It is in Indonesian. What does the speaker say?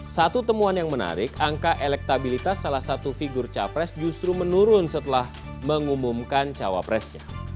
satu temuan yang menarik angka elektabilitas salah satu figur capres justru menurun setelah mengumumkan cawapresnya